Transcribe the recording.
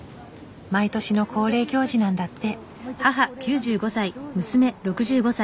毎年の恒例行事なんだって。